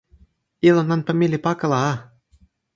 ilo nanpa mi li pakala a!